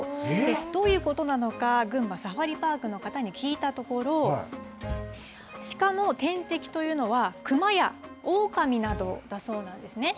どういうことなのか、群馬サファリパークの方に聞いたところ、鹿の天敵というのは、熊やオオカミなどだそうなんですね。